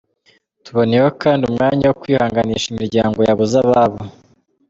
Ribonyeyeho kandi umwanya wo kwihanganisha imiryango y’ ababuze ababo.